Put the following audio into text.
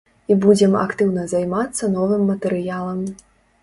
І будзем актыўна займацца новым матэрыялам.